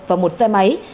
và một xe máy